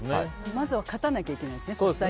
まずは勝たなきゃいけないんですね